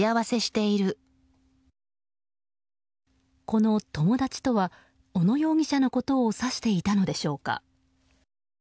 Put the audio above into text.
この友達とは小野容疑者のことを指していたのでしょうか。